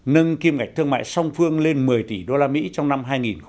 nâng kim ngạch thương mại song phương lên một mươi tỷ usd trong năm hai nghìn hai mươi